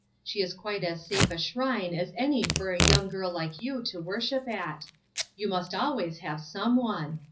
She is quite as safe a shrine as any for a young girl like you to worship at. You must always have some one.